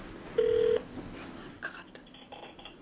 かかった。